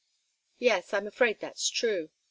"Yes, I'm afraid that's true.